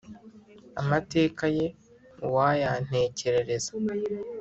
amateka ye uwayantekerereza